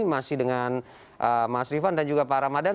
masih dengan mas rifan dan juga pak ramadan